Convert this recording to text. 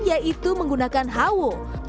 yaitu menggunakan hawo